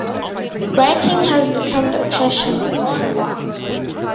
Writing has become the passion for her.